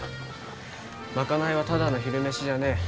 賄いはただの昼飯じゃねえ。